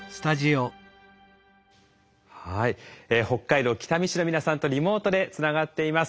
はい北海道北見市の皆さんとリモートでつながっています。